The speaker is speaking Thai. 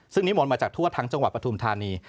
ซึ่งนิมนต์มาจากทั่วทั้งจังหวัดปฐุมธานี